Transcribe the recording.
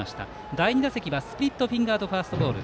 第２打席はスプリットフィンガードファストボール。